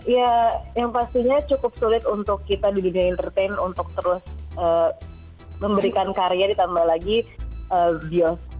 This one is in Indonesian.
ya yang pastinya cukup sulit untuk kita di dunia entertain untuk terus memberikan karya ditambah lagi bioskop